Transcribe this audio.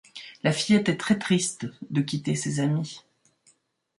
La fillette est très triste de quitter ses amis.